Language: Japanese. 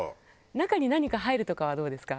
中に何か入るとかはどうですか？